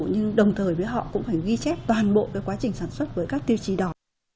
nhưng đồng thời với họ cũng phải ghi chép toàn bộ cái quá trình sản xuất với các tiêu chí đó